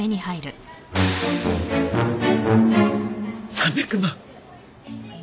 ３００万！